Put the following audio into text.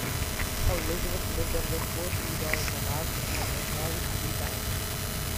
Elizabeth lived under four Tudor monarchs and was married three times.